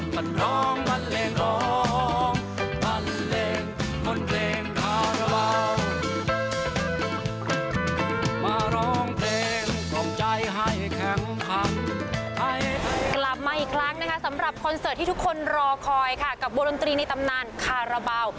กลับมาอีกครั้งนะคะสำหรับคอนเสิร์ตที่ทุกคนรอคอยค่ะกับวงดนตรีในตำนานคาราบาล